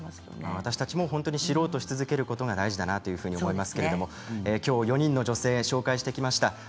私たちも知ろうとし続けることが大事だと思いますけれどもきょう４人の女性を紹介してきました。